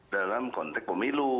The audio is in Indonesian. dalam konteks pemilu